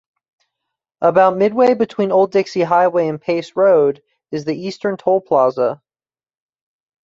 About midway between Old Dixie Highway and Pace Road is the Eastern Toll Plaza.